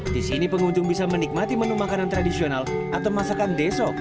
di sini pengunjung bisa menikmati menu makanan tradisional atau masakan desok